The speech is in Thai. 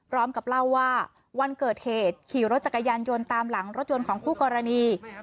พร้อมกับเล่าว่าวันเกิดเหตุขี่รถจักรยานยนต์ตามหลังรถยนต์ของคู่กรณี